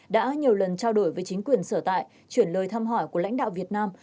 đã nhiều lần trao đổi với chính quyền sở tại chuyển lời thăm hỏi của lãnh đạo việt nam